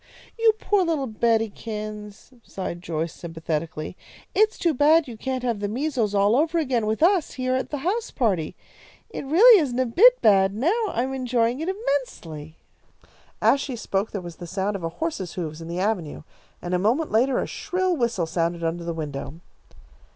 "You poor little Bettykins!" sighed Joyce, sympathetically. "It's too bad you can't have the measles all over again with us, here at the house party. It really isn't a bit bad now. I am enjoying it immensely." As she spoke there was the sound of a horse's hoofs in the avenue, and a moment later a shrill whistle sounded under the window.